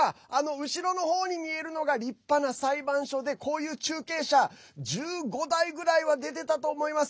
後ろの方に見えるのが立派な裁判所で中継車１５台ぐらいは出てたと思います。